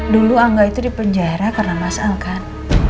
dulu angga itu di penjara karena mas al kan